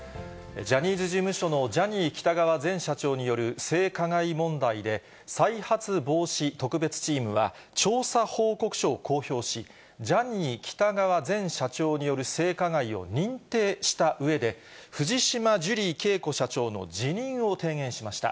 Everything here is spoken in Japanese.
ジャニーズ事務所のジャニー喜多川前社長による性加害問題で、再発防止特別チームは、調査報告書を公表し、ジャニー喜多川前社長による性加害を認定したうえで、藤島ジュリー景子社長の辞任を提言しました。